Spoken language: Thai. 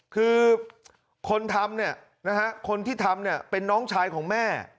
คือคนทำเนี่ยนะฮะคนที่ทำเนี่ยเป็นน้องชายของแม่